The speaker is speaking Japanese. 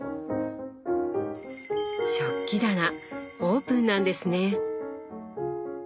食器棚オープンなんですね。